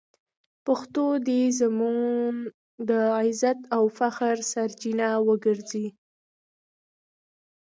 پښتو دې زموږ د عزت او فخر سرچینه وګرځي.